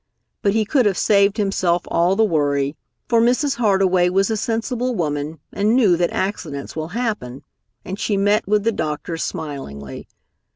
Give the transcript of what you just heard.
But he could have saved himself all the worry, for Mrs. Hardway was a sensible woman and knew that accidents will happen, and she met with the doctor smilingly.